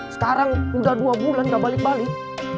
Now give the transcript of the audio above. sekarang udah dua bulan gak balik balik